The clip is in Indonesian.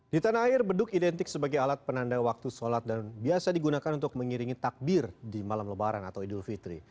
di tanah air beduk identik sebagai alat penanda waktu sholat dan biasa digunakan untuk mengiringi takbir di malam lebaran atau idul fitri